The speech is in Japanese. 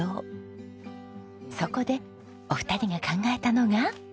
そこでお二人が考えたのが。